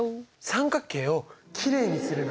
三角形をきれいにするの？